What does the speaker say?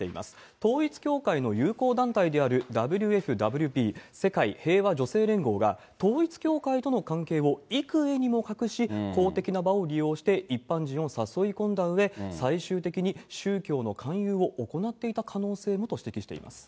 統一教会の友好団体であるＷＦＷＰ・世界平和女性連合が、統一教会との関係をいくえにも隠し、公的な場を利用して、一般人を誘いこんだうえ、最終的に宗教の勧誘を行っていた可能性もと指摘しています。